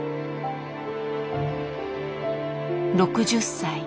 ６０歳。